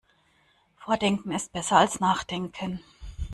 Vordenken ist besser als Nachdenken.